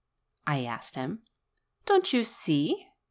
I asked him. "Don't you see?"